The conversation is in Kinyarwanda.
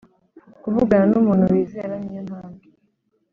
Kuvugana n umuntu wizera ni yo ntambwe